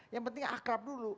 yang penting akrab dulu